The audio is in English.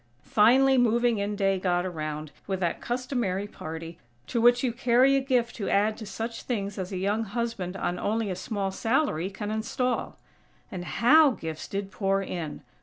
Finally "moving in day" got around, with that customary party, to which you carry a gift to add to such things as a young husband on only a small salary can install. And how gifts did pour in!!